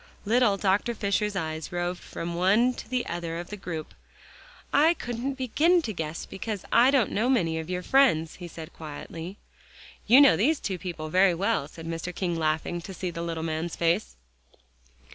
Little Dr. Fisher's eyes roved from one to the other of the group. "I couldn't begin to guess because I don't know many of your friends," he said quietly. "You know these two people very well," said Mr. King, laughing, to see the little man's face.